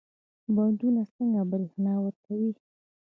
بندونه څنګه برښنا ورکوي؟